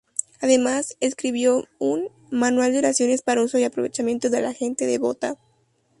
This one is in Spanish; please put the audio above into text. Además, escribió un "Manual de oraciones para uso y aprovechamiento de la gente devota".